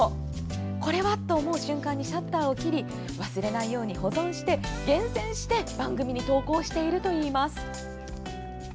これは！と思う瞬間にシャッターを切り忘れないように保存して厳選して番組に投稿しているといいます。